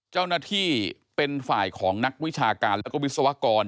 เจ้าหน้าที่เป็นฝ่ายของนักวิชาการแล้วก็วิศวกร